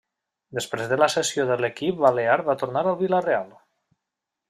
Després de la cessió a l'equip balear va tornar al Vila-real.